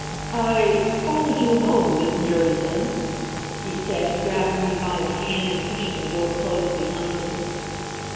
"I followed you home, Miss Murieson," he said, grabbing me by the hand and pushing the door closed behind him.